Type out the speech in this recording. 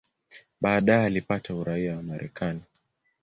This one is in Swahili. Baadaye alipata uraia wa Marekani.